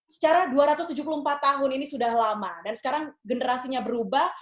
secara dua ratus tujuh puluh empat tahun ini sudah lama dan sekarang generasinya berubah